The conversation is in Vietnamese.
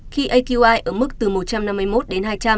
khi aqi ở mức từ một trăm năm mươi một đến hai trăm linh